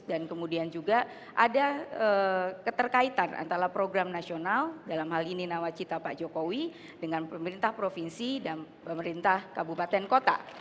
dan kemudian juga ada keterkaitan antara program nasional dalam hal ini nawacita pak jokowi dengan pemerintah provinsi dan pemerintah kabupaten kota